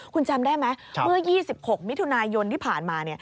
คุณจำได้ไหมเมื่อ๒๖มิถุนายนที่ผ่านมา